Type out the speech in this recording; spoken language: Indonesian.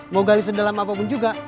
mau gali sedalam apapun juga